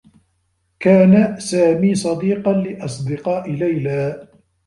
كان سامي صديقا لأصدقاء ليلى.